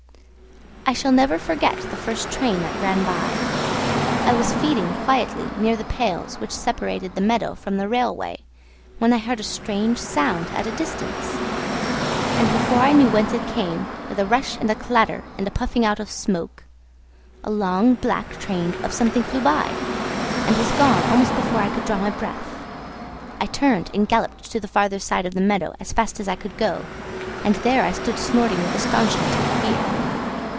I shall never forget the first train that ran by. I was feeding quietly near the pales which separated the meadow from the railway, when I heard a strange sound at a distance, and before I knew whence it came with a rush and a clatter, and a puffing out of smoke a long black train of something flew by, and was gone almost before I could draw my breath. I turned and galloped to the further side of the meadow as fast as I could go, and there I stood snorting with astonishment and fear.